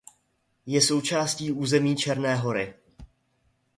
Je součástí území Černé Hory.